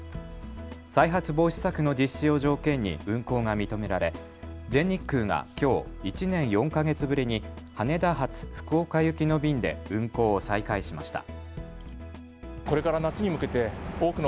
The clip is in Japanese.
再発防止策の実施を条件に運航が認められ全日空がきょう１年４か月ぶりに羽田発福岡行きの便で運航を再開しました。